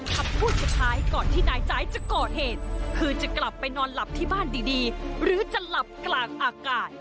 คำพูดสุดท้ายก่อนที่นายใจจะก่อเหตุคือจะกลับไปนอนหลับที่บ้านดีหรือจะหลับกลางอากาศ